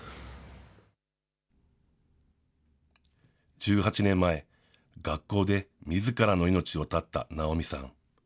１８年前、学校でみずからの命を絶った直美さん。